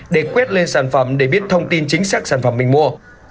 để quét lên sản phẩm để biết thông tin chính xác sản phẩm mình mua